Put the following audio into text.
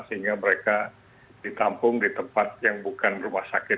sehingga mereka ditampung di tempat yang bukan rumah sakit